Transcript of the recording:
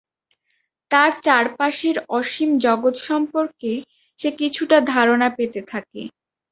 তার চারপাশের অসীম জগৎ সম্পর্কে সে কিছুটা ধারণা পেতে থাকে।